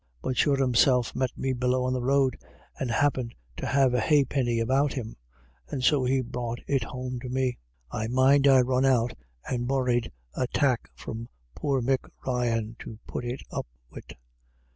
But sure Himself met him below on the road, and happint to have a ha'pinny about him, and so he brought it home to me. I mind I run out and borried a tack from poor Mick Ryan to put it up wid.